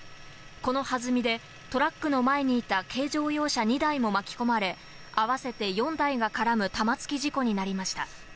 この弾みでトラックの前にいた軽乗用車２台も巻き込まれ、合わせて４台が絡む玉突き事故になりました。